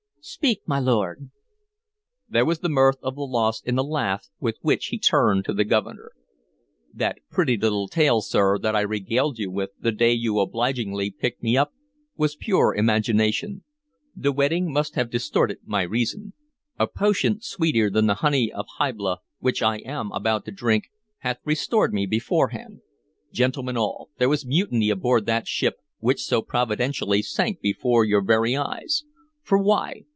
Speak, my lord." There was the mirth of the lost in the laugh with which he turned to the Governor. "That pretty little tale, sir, that I regaled you with, the day you obligingly picked me up, was pure imagination; the wetting must have disordered my reason. A potion sweeter than the honey of Hybla, which I am about to drink, hath restored me beforehand. Gentlemen all, there was mutiny aboard that ship which so providentially sank before your very eyes. For why?